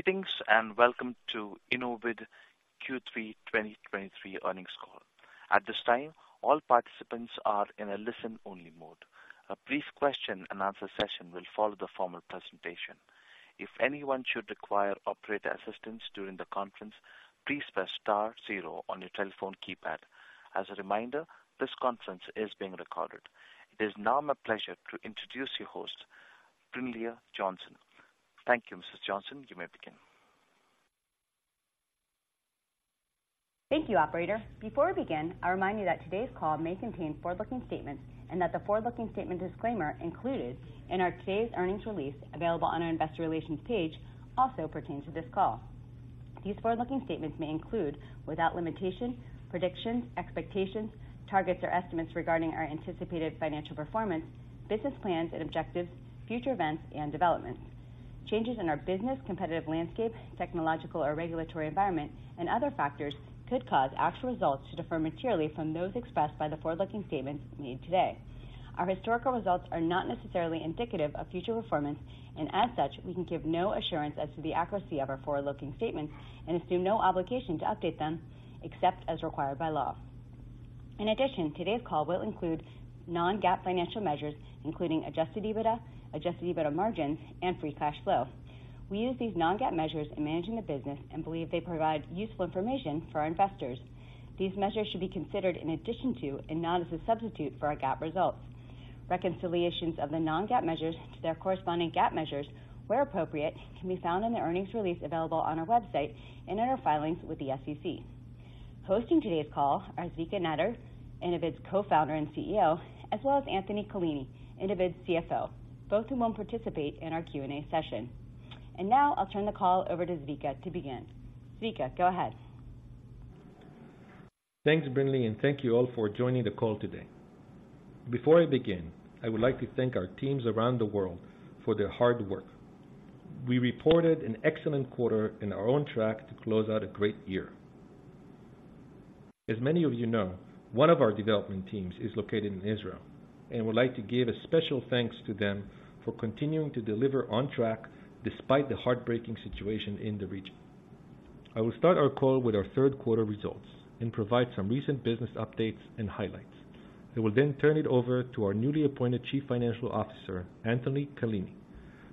Greetings, and welcome to Innovid Q3 2023 earnings call. At this time, all participants are in a listen-only mode. A brief question-and-answer session will follow the formal presentation. If anyone should require operator assistance during the conference, please press star zero on your telephone keypad. As a reminder, this conference is being recorded. It is now my pleasure to introduce your host, Brinlea Johnson. Thank you, Mrs. Johnson. You may begin. Thank you, operator. Before we begin, I'll remind you that today's call may contain forward-looking statements and that the forward-looking statement disclaimer included in our today's earnings release, available on our investor relations page, also pertains to this call. These forward-looking statements may include, without limitation, predictions, expectations, targets, or estimates regarding our anticipated financial performance, business plans and objectives, future events and developments. Changes in our business, competitive landscape, technological or regulatory environment, and other factors could cause actual results to differ materially from those expressed by the forward-looking statements made today. Our historical results are not necessarily indicative of future performance, and as such, we can give no assurance as to the accuracy of our forward-looking statements and assume no obligation to update them, except as required by law. In addition, today's call will include non-GAAP financial measures, including Adjusted EBITDA, Adjusted EBITDA margins, and Free Cash Flow. We use these non-GAAP measures in managing the business and believe they provide useful information for our investors. These measures should be considered in addition to, and not as a substitute for, our GAAP results. Reconciliations of the non-GAAP measures to their corresponding GAAP measures, where appropriate, can be found in the earnings release available on our website and in our filings with the SEC. Hosting today's call are Zvika Netter, Innovid's co-founder and CEO, as well as Anthony Callini, Innovid's CFO, both who won't participate in our Q&A session. And now I'll turn the call over to Zvika to begin. Zvika, go ahead. Thanks, Brinlea, and thank you all for joining the call today. Before I begin, I would like to thank our teams around the world for their hard work. We reported an excellent quarter and are on track to close out a great year. As many of you know, one of our development teams is located in Israel, and would like to give a special thanks to them for continuing to deliver on track despite the heartbreaking situation in the region. I will start our call with our Q3 results and provide some recent business updates and highlights. I will then turn it over to our newly appointed Chief Financial Officer, Anthony Callini,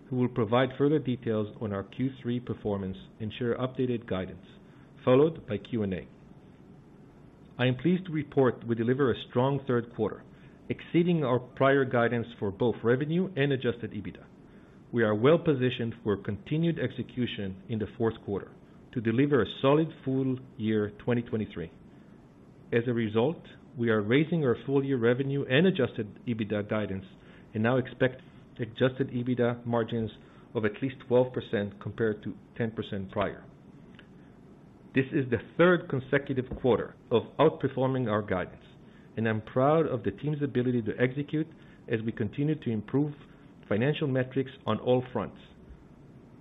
who will provide further details on our Q3 performance and share updated guidance, followed by Q&A. I am pleased to report we deliver a strong Q3, exceeding our prior guidance for both revenue and Adjusted EBITDA. We are well positioned for continued execution in the Q4 to deliver a solid full year 2023. As a result, we are raising our full year revenue and Adjusted EBITDA guidance and now expect Adjusted EBITDA margins of at least 12%, compared to 10% prior. This is the third consecutive quarter of outperforming our guidance, and I'm proud of the team's ability to execute as we continue to improve financial metrics on all fronts.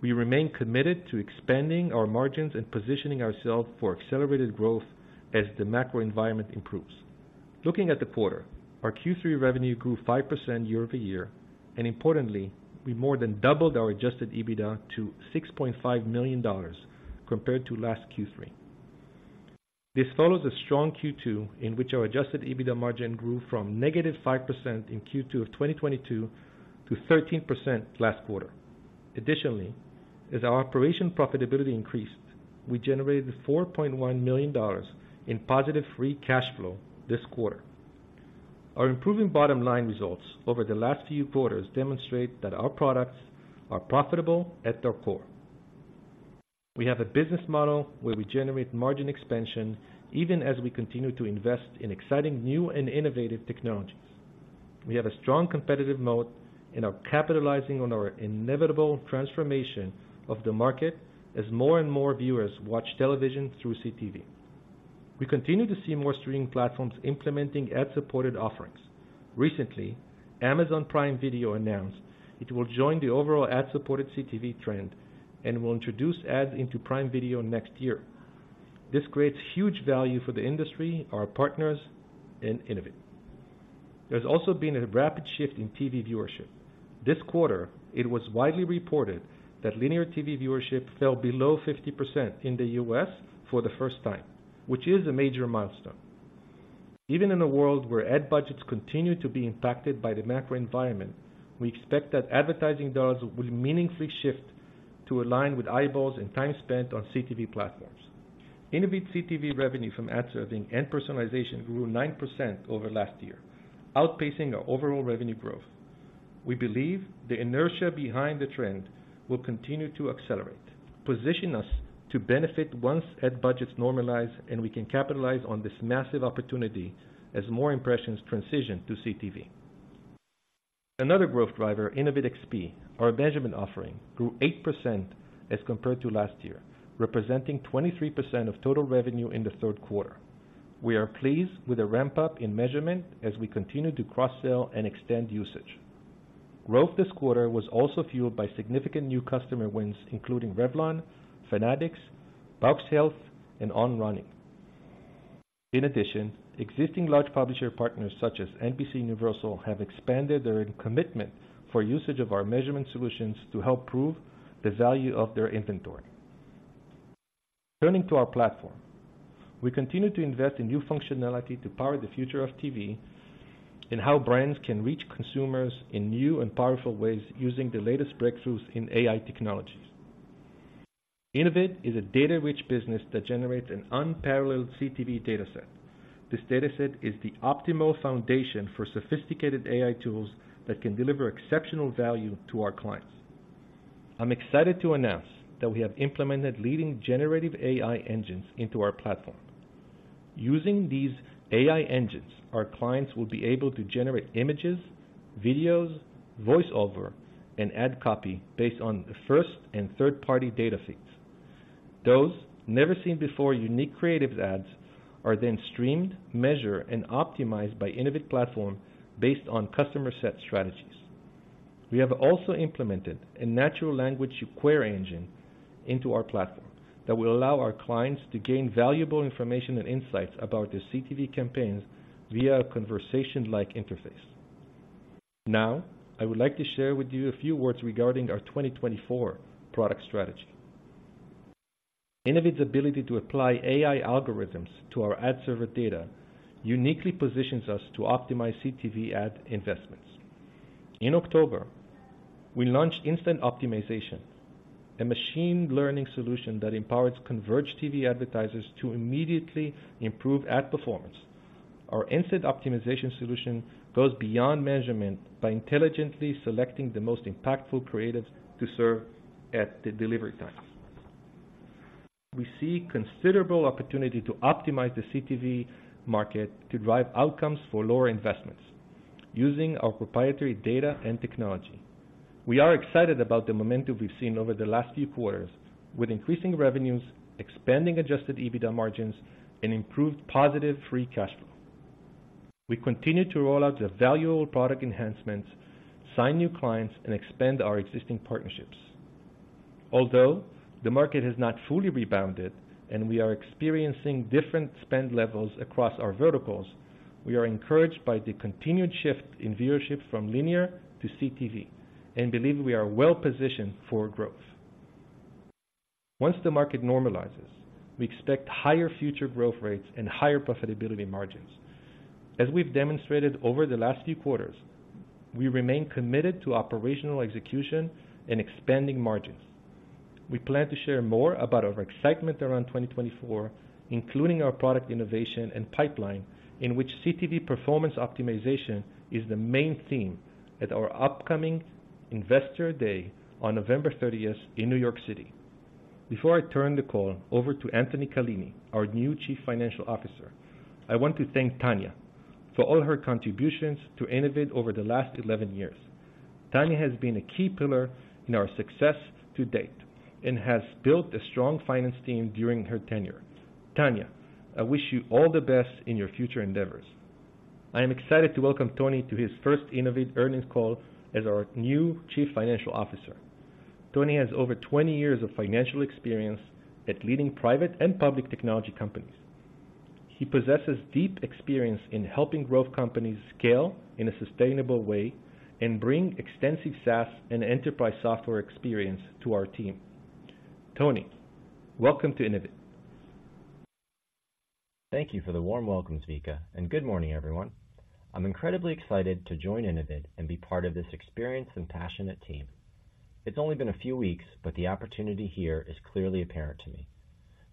We remain committed to expanding our margins and positioning ourselves for accelerated growth as the macro environment improves. Looking at the quarter, our Q3 revenue grew 5% year-over-year, and importantly, we more than doubled our Adjusted EBITDA to $6.5 million compared to last Q3. This follows a strong Q2, in which our adjusted EBITDA margin grew from negative 5% in Q2 of 2022 to 13% last quarter. Additionally, as our operation profitability increased, we generated $4.1 million in positive free cash flow this quarter. Our improving bottom line results over the last few quarters demonstrate that our products are profitable at their core. We have a business model where we generate margin expansion, even as we continue to invest in exciting, new and innovative technologies. We have a strong competitive moat and are capitalizing on our inevitable transformation of the market as more and more viewers watch television through CTV. We continue to see more streaming platforms implementing ad-supported offerings. Recently, Amazon Prime Video announced it will join the overall ad-supported CTV trend and will introduce ads into Prime Video next year. This creates huge value for the industry, our partners, and Innovid. There's also been a rapid shift in TV viewership. This quarter, it was widely reported that Linear TV viewership fell below 50% in the U.S. for the first time, which is a major milestone. Even in a world where ad budgets continue to be impacted by the macro environment, we expect that advertising dollars will meaningfully shift to align with eyeballs and time spent on CTV platforms. Innovid CTV revenue from ad serving and personalization grew 9% over last year, outpacing our overall revenue growth. We believe the inertia behind the trend will continue to accelerate, position us to benefit once ad budgets normalize, and we can capitalize on this massive opportunity as more impressions transition to CTV. Another growth driver, Innovid XP, our measurement offering, grew 8% as compared to last year, representing 23% of total revenue in the Q3. We are pleased with the ramp-up in measurement as we continue to cross-sell and extend usage. Growth this quarter was also fueled by significant new customer wins, including Revlon, Fanatics, Bausch Health, and On Running. In addition, existing large publisher partners, such as NBCUniversal, have expanded their commitment for usage of our measurement solutions to help prove the value of their inventory. Turning to our platform, we continue to invest in new functionality to power the future of TV and how brands can reach consumers in new and powerful ways, using the latest breakthroughs in AI technologies. Innovid is a data-rich business that generates an unparalleled CTV data set. This data set is the optimal foundation for sophisticated AI tools that can deliver exceptional value to our clients. I'm excited to announce that we have implemented leading generative AI engines into our platform. Using these AI engines, our clients will be able to generate images, videos, voice-over, and ad copy based on the first and third-party data feeds. Those never-seen-before unique creative ads are then streamed, measured, and optimized by Innovid Platform based on customer set strategies. We have also implemented a natural language query engine into our platform that will allow our clients to gain valuable information and insights about their CTV campaigns via a conversation-like interface. Now, I would like to share with you a few words regarding our 2024 product strategy. Innovid's ability to apply AI algorithms to our ad server data uniquely positions us to optimize CTV ad investments. In October, we launched Instant Optimization, a machine learning solution that empowers converged TV advertisers to immediately improve ad performance. Our Instant Optimization solution goes beyond measurement by intelligently selecting the most impactful creatives to serve at the delivery time. We see considerable opportunity to optimize the CTV market to drive outcomes for lower investments using our proprietary data and technology. We are excited about the momentum we've seen over the last few quarters with increasing revenues, expanding Adjusted EBITDA margins, and improved positive Free Cash Flow. We continue to roll out the valuable product enhancements, sign new clients, and expand our existing partnerships. Although the market has not fully rebounded and we are experiencing different spend levels across our verticals, we are encouraged by the continued shift in viewership from linear to CTV and believe we are well positioned for growth. Once the market normalizes, we expect higher future growth rates and higher profitability margins. As we've demonstrated over the last few quarters, we remain committed to operational execution and expanding margins. We plan to share more about our excitement around 2024, including our product innovation and pipeline, in which CTV performance optimization is the main theme at our upcoming Investor Day on November 30th in New York City. Before I turn the call over to Anthony Callini, our new Chief Financial Officer, I want to thank Tanya for all her contributions to Innovid over the last 11 years. Tanya has been a key pillar in our success to date and has built a strong finance team during her tenure. Tanya, I wish you all the best in your future endeavors. I am excited to welcome Tony to his first Innovid earnings call as our new Chief Financial Officer. Tony has over 20 years of financial experience at leading private and public technology companies. He possesses deep experience in helping growth companies scale in a sustainable way and bring extensive SaaS and enterprise software experience to our team. Tony, welcome to Innovid. Thank you for the warm welcome, Zvika, and good morning, everyone. I'm incredibly excited to join Innovid and be part of this experienced and passionate team. It's only been a few weeks, but the opportunity here is clearly apparent to me.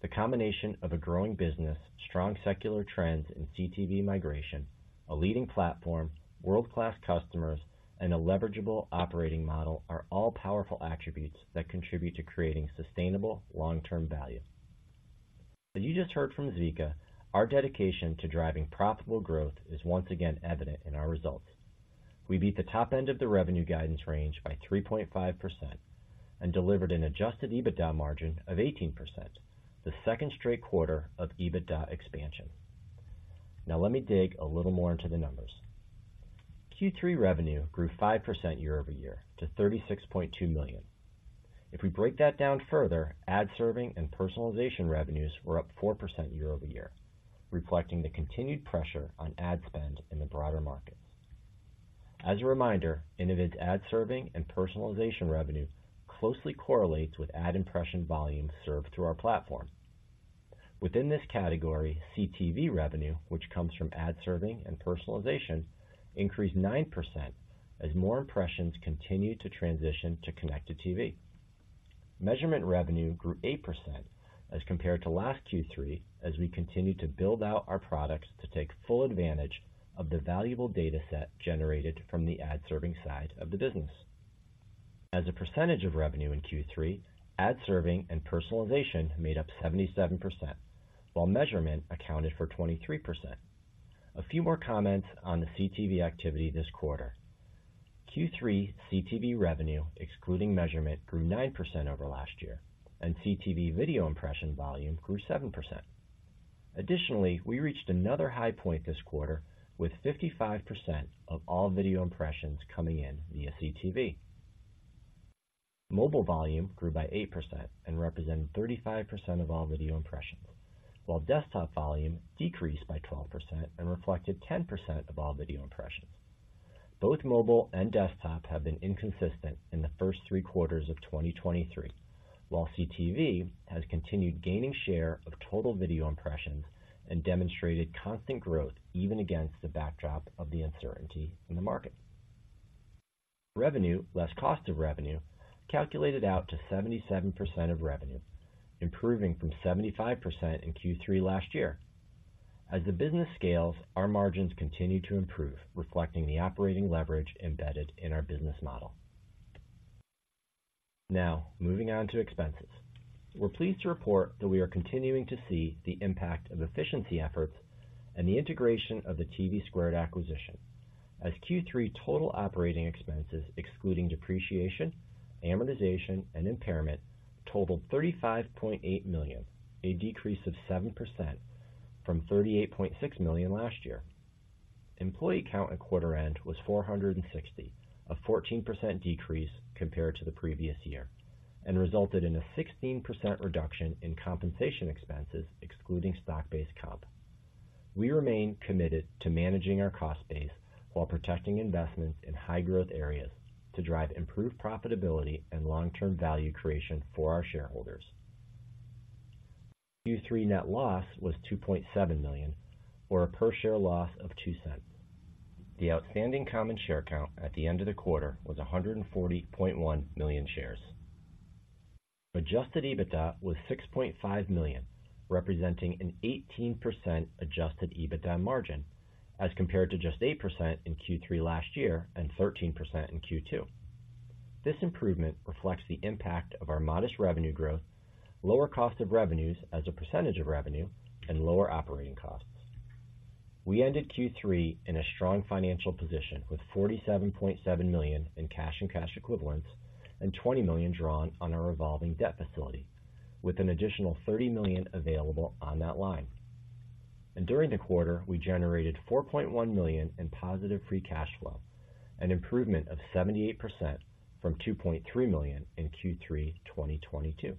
The combination of a growing business, strong secular trends in CTV migration, a leading platform, world-class customers, and a leverageable operating model are all powerful attributes that contribute to creating sustainable long-term value. As you just heard from Zvika, our dedication to driving profitable growth is once again evident in our results. We beat the top end of the revenue guidance range by 3.5% and delivered an adjusted EBITDA margin of 18%, the second straight quarter of EBITDA expansion. Now, let me dig a little more into the numbers. Q3 revenue grew 5% year-over-year to $36.2 million. If we break that down further, ad serving and personalization revenues were up 4% year-over-year, reflecting the continued pressure on ad spend in the broader market. As a reminder, Innovid's ad serving and personalization revenue closely correlates with ad impression volume served through our platform. Within this category, CTV revenue, which comes from ad serving and personalization, increased 9% as more impressions continued to transition to connected TV. Measurement revenue grew 8% as compared to last Q3 as we continued to build out our products to take full advantage of the valuable data set generated from the ad serving side of the business. As a percentage of revenue in Q3, ad serving and personalization made up 77%, while measurement accounted for 23%. A few more comments on the CTV activity this quarter. Q3 CTV revenue, excluding measurement, grew 9% over last year, and CTV video impression volume grew 7%. Additionally, we reached another high point this quarter with 55% of all video impressions coming in via CTV. Mobile volume grew by 8% and represented 35% of all video impressions, while desktop volume decreased by 12% and reflected 10% of all video impressions. Both mobile and desktop have been inconsistent in the first three quarters of 2023, while CTV has continued gaining share of total video impressions and demonstrated constant growth even against the backdrop of the uncertainty in the market. Revenue, less cost of revenue, calculated out to 77% of revenue, improving from 75% in Q3 last year. As the business scales, our margins continue to improve, reflecting the operating leverage embedded in our business model. Now, moving on to expenses. We're pleased to report that we are continuing to see the impact of efficiency efforts and the integration of the TVSquared acquisition, as Q3 total operating expenses, excluding depreciation, amortization, and impairment, totaled $35.8 million, a decrease of 7% from $38.6 million last year. Employee count at quarter end was 460, a 14% decrease compared to the previous year, and resulted in a 16% reduction in compensation expenses, excluding stock-based comp. We remain committed to managing our cost base while protecting investments in high growth areas to drive improved profitability and long-term value creation for our shareholders. Q3 net loss was $2.7 million, or a per share loss of $0.02. The outstanding common share count at the end of the quarter was 140.1 million shares. Adjusted EBITDA was $6.5 million, representing an 18% adjusted EBITDA margin, as compared to just 8% in Q3 last year and 13% in Q2. This improvement reflects the impact of our modest revenue growth, lower cost of revenues as a percentage of revenue, and lower operating costs. We ended Q3 in a strong financial position, with $47.7 million in cash and cash equivalents, and $20 million drawn on our revolving debt facility, with an additional $30 million available on that line. And during the quarter, we generated $4.1 million in positive free cash flow, an improvement of 78% from $2.3 million in Q3 2022.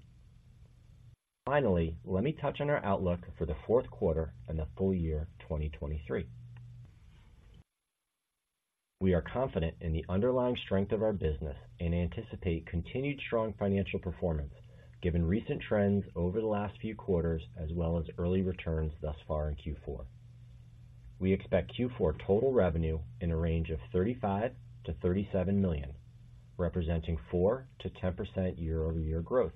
Finally, let me touch on our outlook for the Q4 and the full year 2023. We are confident in the underlying strength of our business and anticipate continued strong financial performance, given recent trends over the last few quarters, as well as early returns thus far in Q4. We expect Q4 total revenue in a range of $35 million-$37 million, representing 4%-10% year-over-year growth.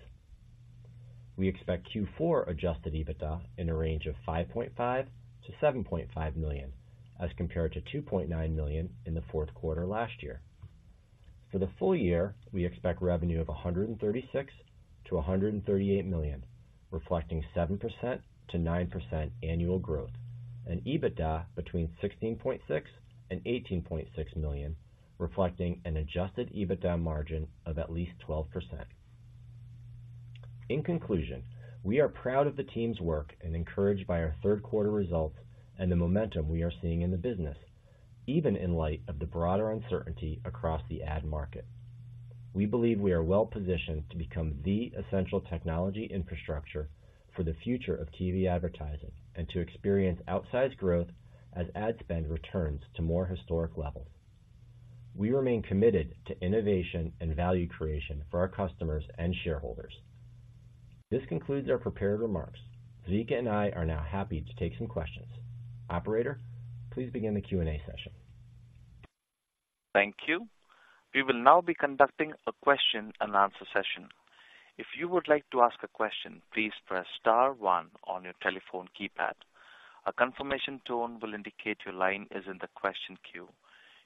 We expect Q4 Adjusted EBITDA in a range of $5.5 million-$7.5 million, as compared to $2.9 million in the Q4 last year. For the full year, we expect revenue of $136 million-$138 million, reflecting 7%-9% annual growth, and Adjusted EBITDA between $16.6 million and $18.6 million, reflecting an Adjusted EBITDA margin of at least 12%. In conclusion, we are proud of the team's work and encouraged by our Q3 results and the momentum we are seeing in the business, even in light of the broader uncertainty across the ad market. We believe we are well positioned to become the essential technology infrastructure for the future of TV advertising and to experience outsized growth as ad spend returns to more historic levels. We remain committed to innovation and value creation for our customers and shareholders. This concludes our prepared remarks. Zvika and I are now happy to take some questions. Operator, please begin the Q&A session. Thank you. We will now be conducting a question and answer session. If you would like to ask a question, please press star one on your telephone keypad. A confirmation tone will indicate your line is in the question queue.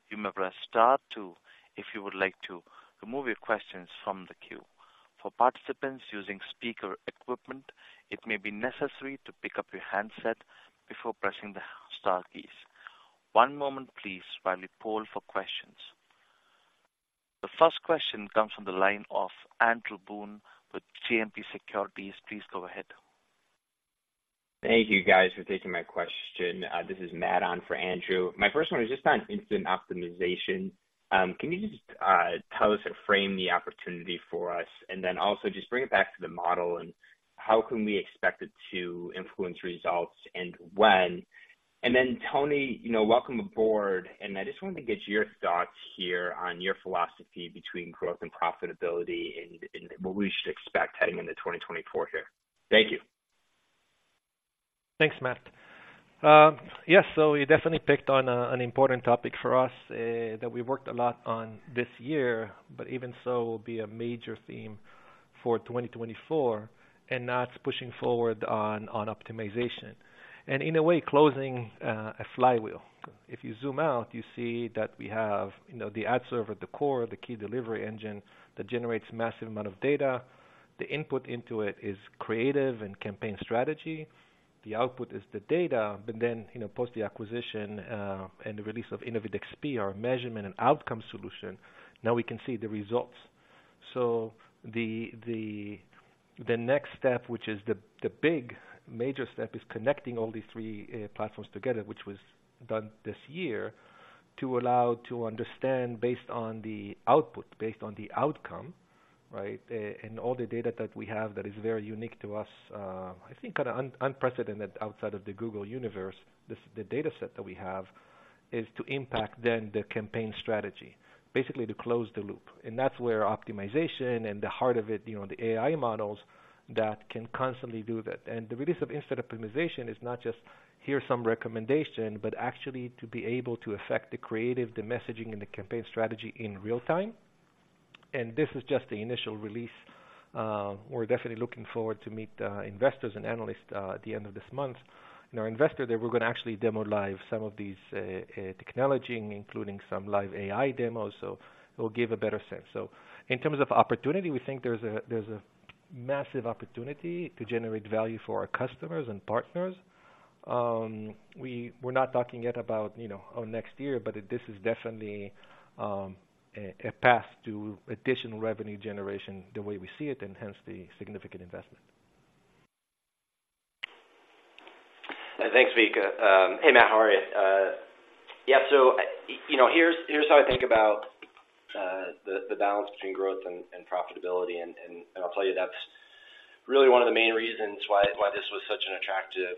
You may press star two if you would like to remove your questions from the queue. For participants using speaker equipment, it may be necessary to pick up your handset before pressing the star keys. One moment please while we poll for questions. The first question comes from the line of Andrew Boone with JMP Securities. Please go ahead. Thank you, guys, for taking my question. This is Matt on for Andrew. My first one is just on Instant Optimization. Can you just tell us or frame the opportunity for us, and then also just bring it back to the model, and how can we expect it to influence results, and when? And then, Tony, you know, welcome aboard, and I just wanted to get your thoughts here on your philosophy between growth and profitability and, and what we should expect heading into 2024 here. Thank you. Thanks, Matt. Yes, so you definitely picked on an important topic for us that we worked a lot on this year, but even so, will be a major theme for 2024, and that's pushing forward on optimization. And in a way, closing a flywheel. If you zoom out, you see that we have, you know, the ad server at the core, the key delivery engine that generates massive amount of data. The input into it is creative and campaign strategy. The output is the data, but then, you know, post the acquisition and the release of Innovid XP, our measurement and outcome solution, now we can see the results. So, the next step, which is the big major step, is connecting all these three platforms together, which was done this year to allow to understand based on the output, based on the outcome, right? And all the data that we have that is very unique to us, I think kind of unprecedented outside of the Google universe. This, the data set that we have, is to impact then the campaign strategy, basically to close the loop. And that's where optimization and the heart of it, you know, the AI models that can constantly do that. And the release of Instant Optimization is not just, here are some recommendations, but actually to be able to affect the creative, the messaging, and the campaign strategy in real time. And this is just the initial release. We're definitely looking forward to meet investors and analysts at the end of this month. Our investor day, we're going to actually demo live some of these technology, including some live AI demos, so we'll give a better sense. In terms of opportunity, we think there's a massive opportunity to generate value for our customers and partners. We're not talking yet about, you know, on next year, but this is definitely a path to additional revenue generation, the way we see it, and hence the significant investment. Thanks, Zvika. Hey, Matt, how are you? Yeah, so, you know, here's how I think about the balance between growth and profitability. And I'll tell you, that's really one of the main reasons why this was such an attractive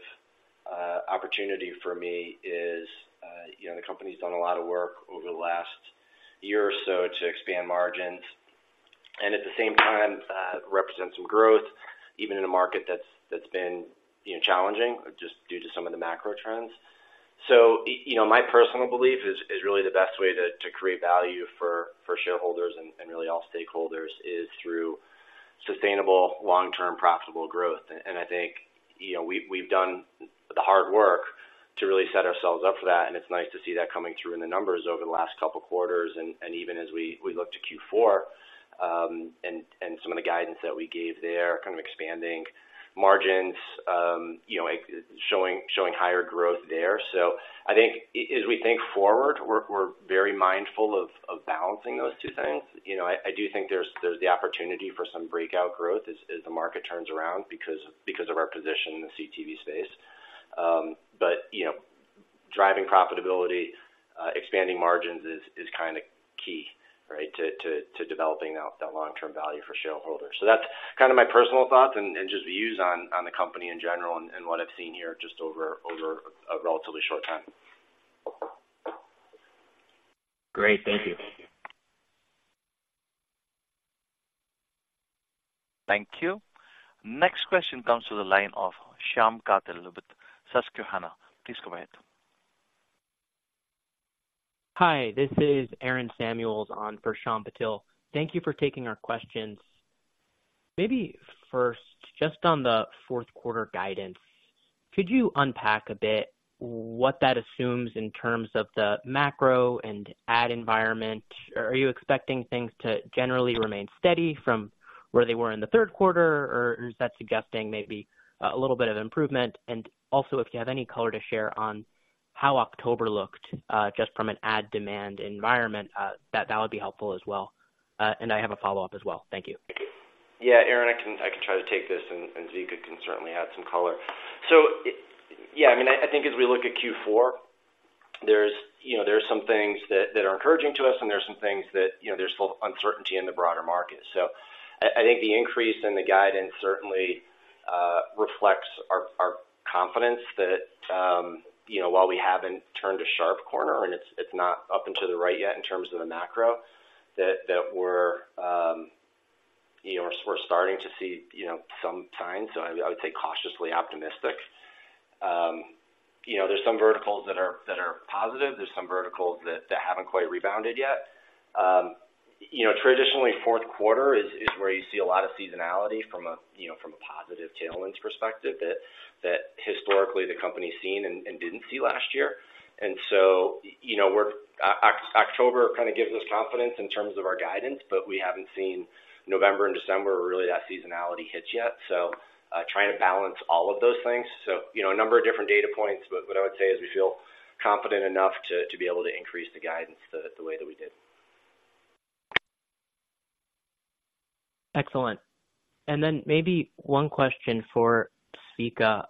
opportunity for me is, you know, the company's done a lot of work over the last year or so to expand margins and at the same time represent some growth, even in a market that's been, you know, challenging just due to some of the macro trends. So, you know, my personal belief is really the best way to create value for shareholders and really all stakeholders, is through sustainable, long-term, profitable growth. I think, you know, we've done the hard work to really set ourselves up for that, and it's nice to see that coming through in the numbers over the last couple of quarters. Even as we look to Q4, and some of the guidance that we gave there, kind of expanding margins, you know, showing higher growth there. So I think as we think forward, we're very mindful of balancing those two things. You know, I do think there's the opportunity for some breakout growth as the market turns around because of our position in the CTV space. But, you know, driving profitability, expanding margins is kind of key, right, to developing out that long-term value for shareholders. So that's kind of my personal thoughts and just views on the company in general and what I've seen here just over a relatively short time. Great. Thank you. Thank you. Next question comes to the line of Shyam Patil with Susquehanna. Please go ahead. Hi, this is Aaron Samuels on for Shyam Patil. Thank you for taking our questions. Maybe first, just on the Q4 guidance, could you unpack a bit what that assumes in terms of the macro and ad environment? Or are you expecting things to generally remain steady from where they were in the Q3, or is that suggesting maybe a little bit of improvement? And also, if you have any color to share on how October looked, just from an ad demand environment, that would be helpful as well. And I have a follow-up as well. Thank you. Yeah, Aaron, I can try to take this, and Zvika can certainly add some color. So, yeah, I mean, I think as we look at Q4, there's, you know, some things that are encouraging to us, and there are some things that, you know, there's still uncertainty in the broader market. So I think the increase in the guidance certainly reflects our confidence that, you know, while we haven't turned a sharp corner and it's not up and to the right yet in terms of the macro, that we're, you know, we're starting to see, you know, some signs. So I would say cautiously optimistic. You know, there's some verticals that are positive. There's some verticals that haven't quite rebounded yet. You know, traditionally, Q4 is where you see a lot of seasonality from a positive tailwinds perspective, that historically the company's seen and didn't see last year. And so, you know, October kind of gives us confidence in terms of our guidance, but we haven't seen November and December, really, that seasonality hits yet. So, trying to balance all of those things. So, you know, a number of different data points, but what I would say is we feel confident enough to be able to increase the guidance the way that we did. Excellent. And then maybe one question for Zvika.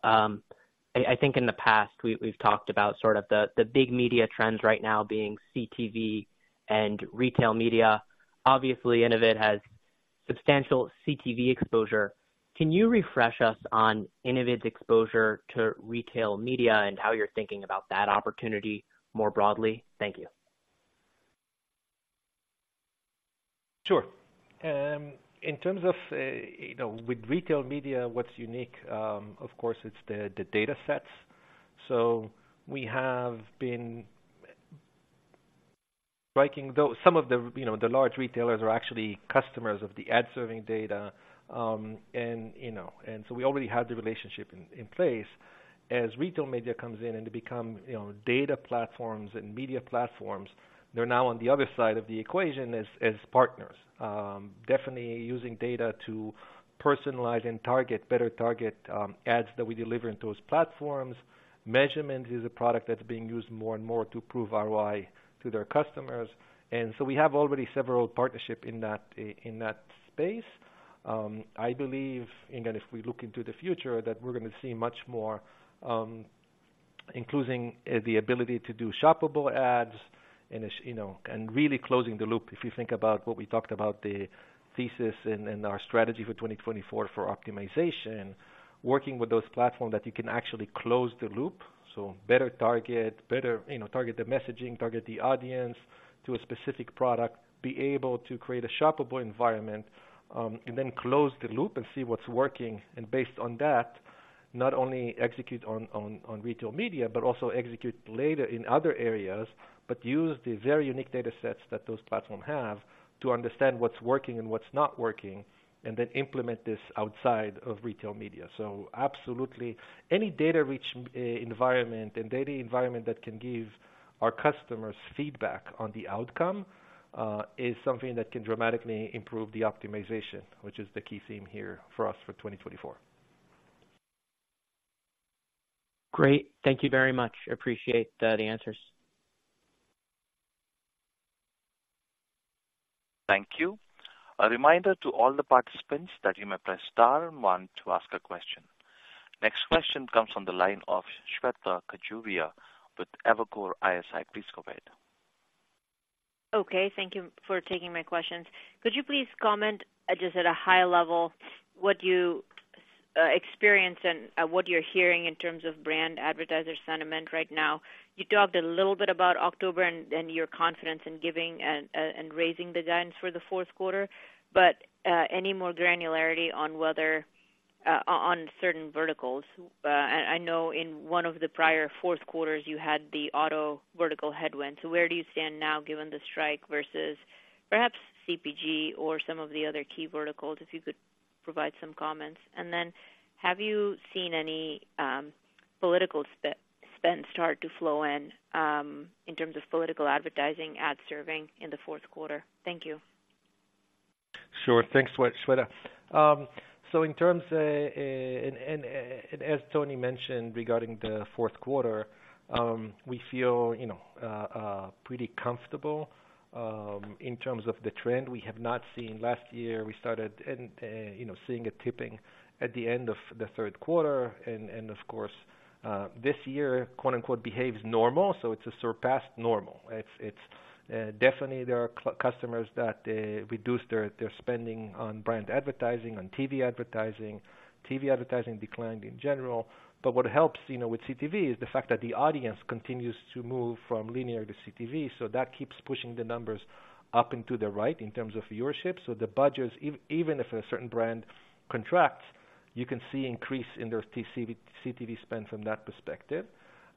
I think in the past, we've talked about sort of the big media trends right now being CTV and retail media. Obviously, Innovid has substantial CTV exposure. Can you refresh us on Innovid's exposure to retail media and how you're thinking about that opportunity more broadly? Thank you. Sure. In terms of, you know, with Retail Media, what's unique, of course, it's the data sets. So we have been breaking, though some of the, you know, the large retailers are actually customers of the ad serving data. And, you know, and so we already had the relationship in place. As Retail Media comes in and they become, you know, data platforms and media platforms, they're now on the other side of the equation as partners. Definitely using data to personalize and target, better target, ads that we deliver into those platforms. Measurement is a product that's being used more and more to prove ROI to their customers, and so we have already several partnerships in that space. I believe, and then if we look into the future, that we're gonna see much more, including, the ability to do shoppable ads and, you know, and really closing the loop. If you think about what we talked about, the thesis and our strategy for 2024 for optimization, working with those platforms that you can actually close the loop, so better target, you know, target the messaging, target the audience to a specific product, be able to create a shoppable environment, and then close the loop and see what's working. And based on that, not only execute on retail media, but also execute later in other areas, but use the very unique data sets that those platforms have to understand what's working and what's not working, and then implement this outside of retail media. Absolutely, any data-rich environment and data environment that can give our customers feedback on the outcome is something that can dramatically improve the optimization, which is the key theme here for us for 2024. Great. Thank you very much. Appreciate the answers. Thank you. A reminder to all the participants that you may press star one to ask a question. Next question comes from the line of Shweta Khajuria with Evercore ISI. Please go ahead. Okay, thank you for taking my questions. Could you please comment, just at a high level, what you experience and what you're hearing in terms of brand advertiser sentiment right now? You talked a little bit about October and your confidence in giving and raising the guidance for the Q4, but any more granularity on whether on certain verticals. I know in one of the prior Q4s, you had the auto vertical headwind. So where do you stand now, given the strike versus perhaps CPG or some of the other key verticals, if you could provide some comments. And then have you seen any political spend start to flow in in terms of political advertising, ad serving in the Q4? Thank you. Sure. Thanks, Shweta. So in terms, and as Tony mentioned regarding the Q4, we feel, you know, pretty comfortable in terms of the trend. We have not seen, last year, we started seeing it tipping at the end of the Q3. And, of course, this year, quote, unquote, "behaves normal," so it's a surpassed normal. It's definitely there are customers that reduced their spending on brand advertising, on TV advertising. TV advertising declined in general, but what helps, you know, with CTV is the fact that the audience continues to move from linear to CTV, so that keeps pushing the numbers up into the right in terms of viewership. So the budgets, even if a certain brand contracts, you can see increase in their CTV, CTV spend from that perspective.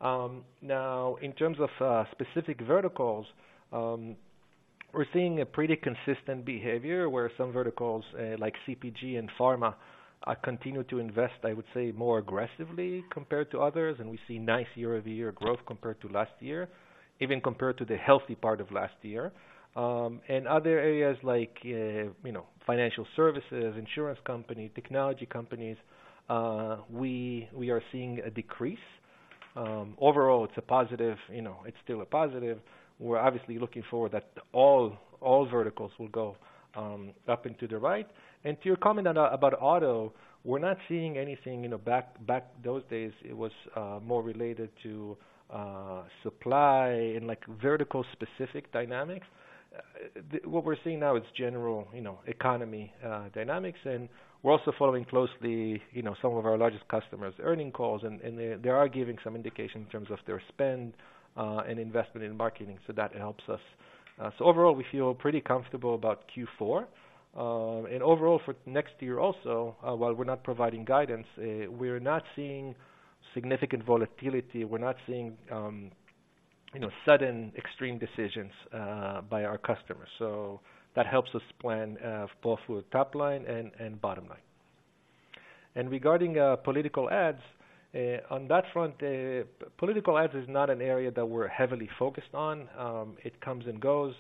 Now, in terms of specific verticals, we're seeing a pretty consistent behavior where some verticals like CPG and pharma continue to invest, I would say, more aggressively compared to others, and we see nice year-over-year growth compared to last year, even compared to the healthy part of last year. And other areas like you know, financial services, insurance companies, technology companies, we are seeing a decrease. Overall, it's a positive, you know, it's still a positive. We're obviously looking forward that all verticals will go up into the right. To your comment on about auto, we're not seeing anything, you know, back, back those days, it was more related to supply and, like, vertical specific dynamics. What we're seeing now is general, you know, economy dynamics, and we're also following closely, you know, some of our largest customers' earnings calls, and they are giving some indication in terms of their spend and investment in marketing, so that helps us. So overall, we feel pretty comfortable about Q4. And overall for next year also, while we're not providing guidance, we're not seeing significant volatility. We're not seeing, you know, sudden extreme decisions by our customers. So that helps us plan both for top line and bottom line. Regarding political ads, on that front, political ads is not an area that we're heavily focused on. It comes and goes,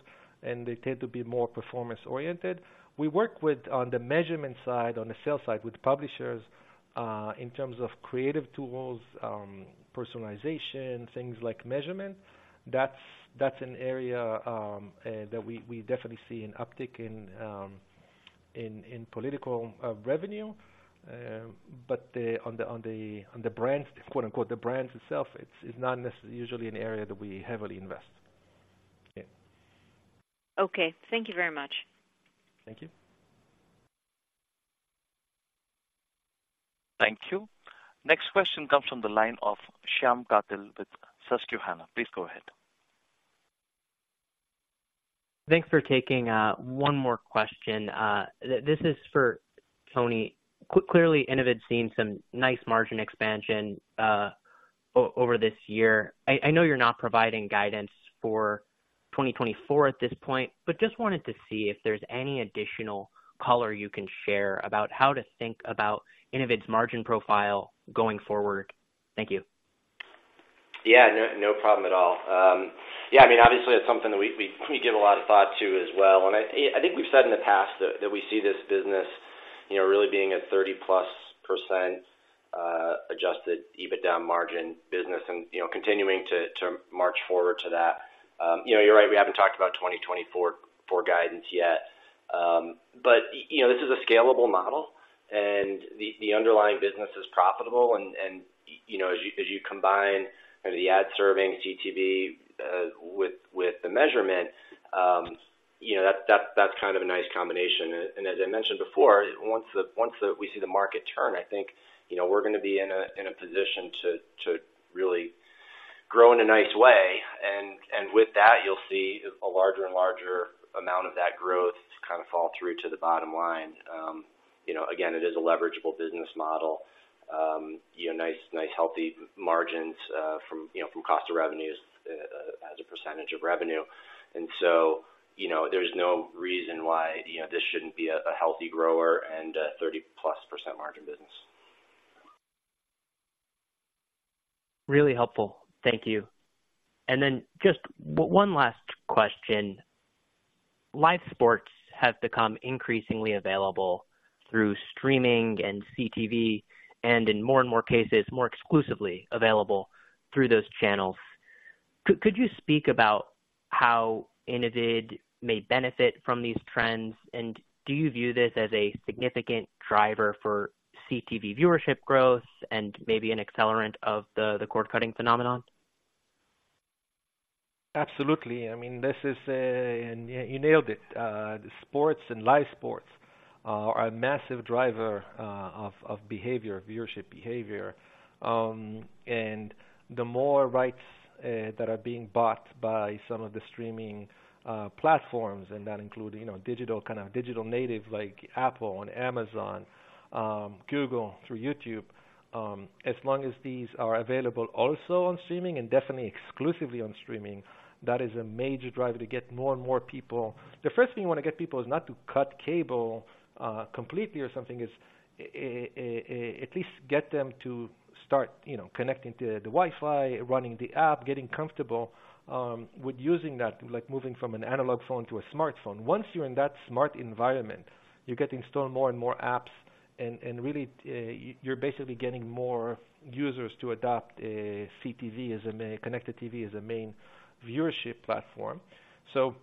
and they tend to be more performance-oriented. We work with, on the measurement side, on the sales side, with publishers, in terms of creative tools, personalization, things like measurement. That's, that's an area that we, we definitely see an uptick in, in, in political revenue. But the, on the, on the, on the brands, quote, unquote, "the brands itself," it's, it's not necessarily usually an area that we heavily invest. Yeah. Okay. Thank you very much. Thank you. Thank you. Next question comes from the line of Shyam Patil with Susquehanna. Please go ahead. Thanks for taking one more question. This is for Tony. Clearly, Innovid's seen some nice margin expansion over this year. I know you're not providing guidance for 2024 at this point, but just wanted to see if there's any additional color you can share about how to think about Innovid's margin profile going forward. Thank you. Yeah, no, no problem at all. Yeah, I mean, obviously, that's something that we give a lot of thought to as well. And I think we've said in the past that we see this business, you know, really being a 30%+ adjusted EBITDA margin business and, you know, continuing to march forward to that. You know, you're right, we haven't talked about 2024 guidance yet. But, you know, this is a scalable model, and the underlying business is profitable. And, you know, as you combine the ad serving CTV with the measurement, you know, that's kind of a nice combination. And as I mentioned before, once we see the market turn, I think, you know, we're gonna be in a position to really grow in a nice way. And with that, you'll see a larger and larger amount of that growth kind of fall through to the bottom line. You know, again, it is a leverageable business model. you know, nice, nice, healthy margins, from, you know, from cost of revenues, as a percentage of revenue. And so, you know, there's no reason why, you know, this shouldn't be a, a healthy grower and a 30%+ margin business. Really helpful. Thank you. And then just one last question. Live sports have become increasingly available through streaming and CTV, and in more and more cases, more exclusively available through those channels. Could you speak about how Innovid may benefit from these trends? And do you view this as a significant driver for CTV viewership growth and maybe an accelerant of the cord-cutting phenomenon? Absolutely. I mean, this is. You nailed it. Sports and live sports are a massive driver of behavior, viewership behavior. And the more rights that are being bought by some of the streaming platforms, and that include, you know, digital, kind of digital native, like Apple and Amazon, Google through YouTube, as long as these are available also on streaming and definitely exclusively on streaming, that is a major driver to get more and more people. The first thing you want to get people is not to cut cable completely or something, is at least get them to start, you know, connecting to the Wi-Fi, running the app, getting comfortable with using that, like moving from an analog phone to a smartphone. Once you're in that smart environment, you're getting installed more and more apps, and really, you're basically getting more users to adopt CTV as a main connected TV as a main viewership platform. So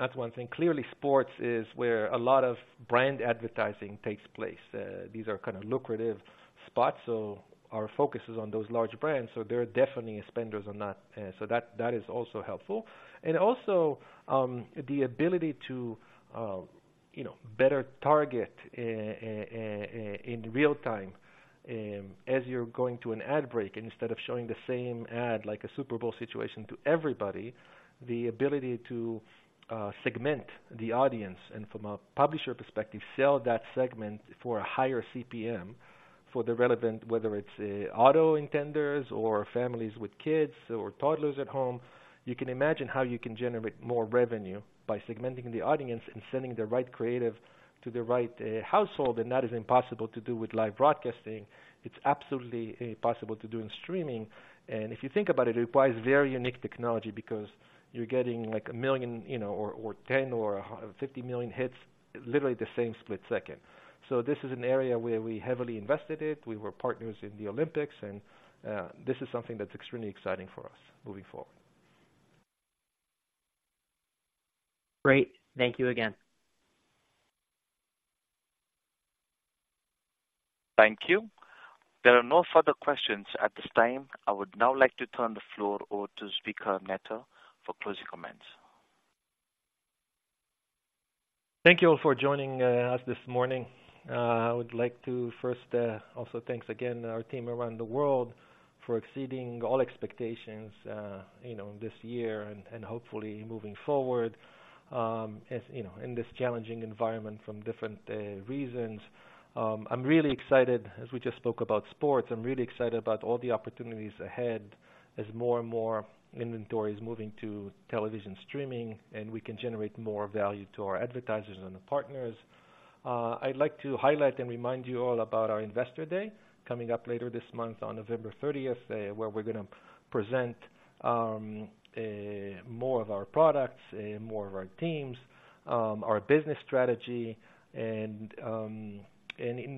that's one thing. Clearly, sports is where a lot of brand advertising takes place. These are kind of lucrative spots, so our focus is on those larger brands, so they're definitely spenders on that. So that is also helpful. And also, the ability to, you know, better target in real time, as you're going to an ad break, instead of showing the same ad, like a Super Bowl situation to everybody, the ability to, segment the audience, and from a publisher perspective, sell that segment for a higher CPM for the relevant, whether it's, auto intenders or families with kids or toddlers at home, you can imagine how you can generate more revenue by segmenting the audience and sending the right creative to the right, household. And that is impossible to do with live broadcasting. It's absolutely possible to do in streaming. And if you think about it, it requires very unique technology because you're getting like 1 million, you know, or 10 or 100 or 50 million hits, literally the same split second. So this is an area where we heavily invested it. We were partners in the Olympics, and this is something that's extremely exciting for us moving forward. Great. Thank you again. Thank you. There are no further questions at this time. I would now like to turn the floor over to Zvika Netter for closing comments. Thank you all for joining us this morning. I would like to first also thank again our team around the world for exceeding all expectations you know this year and hopefully moving forward as you know in this challenging environment from different reasons. I'm really excited, as we just spoke about sports, I'm really excited about all the opportunities ahead as more and more inventory is moving to television streaming, and we can generate more value to our advertisers and partners. I'd like to highlight and remind you all about our Investor Day, coming up later this month on November 30, where we're going to present more of our products, more of our teams, our business strategy. In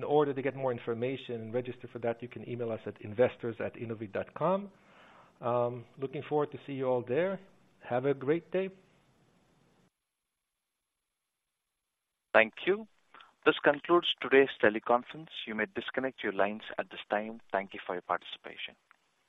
order to get more information and register for that, you can email us at investors@innovid.com. Looking forward to see you all there. Have a great day. Thank you. This concludes today's teleconference. You may disconnect your lines at this time. Thank you for your participation.